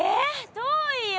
遠いよ。